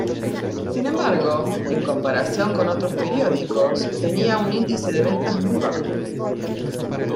Sin embargo, en comparación con otros periódicos, tenía un índice de ventas muy bajo.